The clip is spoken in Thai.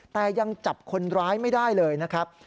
แต่ยังจับคนร้ายไม่ได้เลยนะครับ